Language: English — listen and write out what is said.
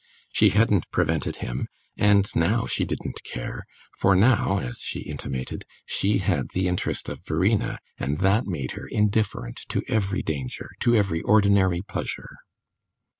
She hadn't prevented him, and now she didn't care, for now, as she intimated, she had the interest of Verena, and that made her indifferent to every danger, to every ordinary pleasure.